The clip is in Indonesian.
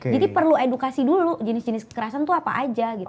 jadi perlu edukasi dulu jenis jenis kekerasan itu apa aja gitu